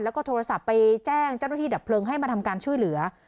แล้วก็โทรศัพท์ไปแจ้งเจ้าหน้าที่ดับเพลิงให้มาทำการช่วยเหลือ